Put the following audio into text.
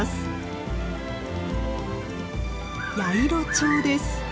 ヤイロチョウです。